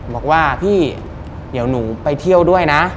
บอกว่าพี่เดี๋ยวหนูไปเที่ยวด้วยนะ